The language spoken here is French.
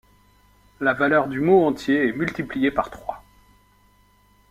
La valeur du mot entier est multipliée par trois.